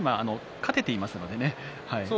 勝てていますのでね。